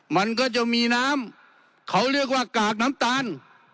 มันก็จะมีน้ำเขาเรียกว่ากากน้ำตาล